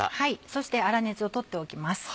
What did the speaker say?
そして粗熱を取っておきます。